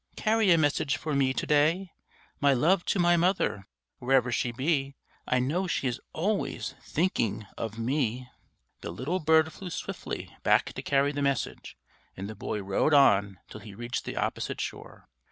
Carry a message for me to day: My love to my mother, wherever she be; I know she is always thinking of me_." The little bird flew swiftly back to carry the message, and the boy rowed on till he reached the opposite shore.